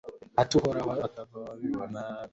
hato uhoraho atavaho abibona akabigaya